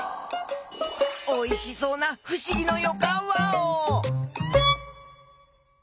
おいしそうなふしぎのよかんワオ！